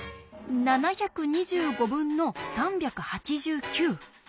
７２５分の３８９？